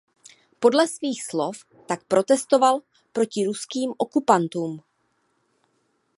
Podle svých slov tak protestoval proti „ruským okupantům“.